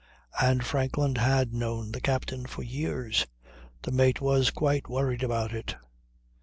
And Franklin had known the captain for years. The mate was quite worried about it.